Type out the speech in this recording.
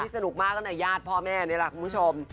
สนุกมากก็ในญาติพ่อแม่นี่แหละคุณผู้ชม